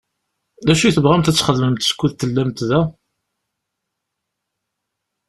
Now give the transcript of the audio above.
D acu i tebɣamt ad t-txedmemt skud tellamt da?